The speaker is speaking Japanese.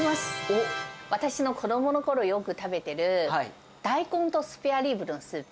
私の子どものころ、よく食べてる、大根とスペアリブのスープ。